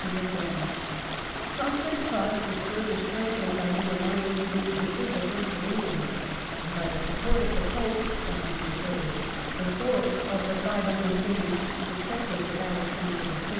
to the throne (see Table IV.). Tancred's cause was further strengthened by his alliance with Eichard I. of Eng land (see p. 206) and by the support of the Pope, Clement III., the fourth of the five undistinguished successors of Alexander III.